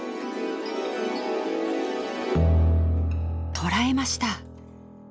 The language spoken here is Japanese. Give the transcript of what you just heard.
捕らえました。